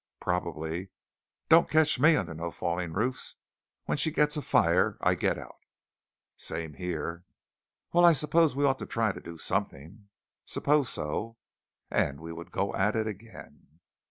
"Probably. Don't catch me under no falling roofs! When she gets afire, I get out." "Same here." "Well, I suppose we ought to try to do something." "Suppose so." And we would go at it again.